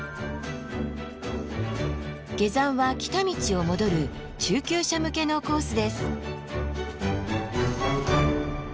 下山は来た道を戻る中級者向けのコースです。